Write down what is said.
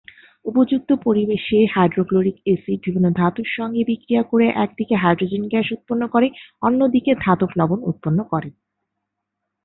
উপযুক্ত পরিবেশে hydrochloric acid বিভিন্ন ধাতুর সঙ্গে বিক্রিয়া করে একদিকে হাইড্রোজেন গ্যাস উৎপন্ন করে অন্যদিকে ধাতব লবণ উৎপন্ন করে।